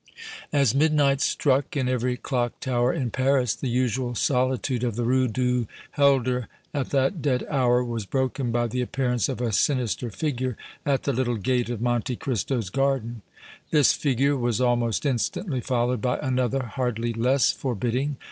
As midnight struck in every clock tower in Paris, the usual solitude of the Rue du Helder at that dead hour was broken by the appearance of a sinister figure at the little gate of Monte Cristo's garden. This figure was almost instantly followed by another hardly less forbidding.